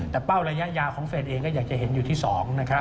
แต่เป้าระยะยาวของเฟสเองก็อยากจะเห็นอยู่ที่๒